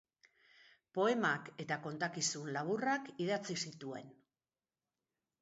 Poemak eta kontakizun laburrak idatzi zituen.